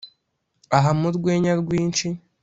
Aha mu rwenya rwinshi